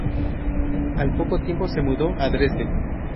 Al poco tiempo se mudó a Dresde.